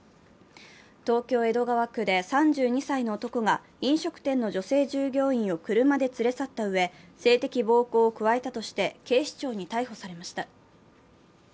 東京・江戸川区で３２歳の男が飲食店の女性従業員を車で連れ去ったうえ性的暴行を加えたとして、警視庁に逮捕されました。